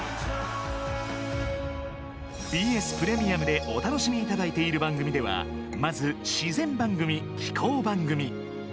ＢＳプレミアムでお楽しみいただいている番組ではまず自然番組・紀行番組。